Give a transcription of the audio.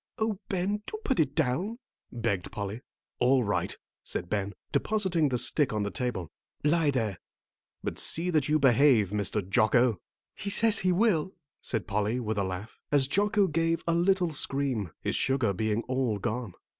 "Oh, Ben, do put it down," begged Polly. "All right," said Ben, depositing the stick on the table. "Lie there, but see that you behave, Mr. Jocko." "He says he will," said Polly, with a laugh, as Jocko gave a little scream, his sugar being all gone.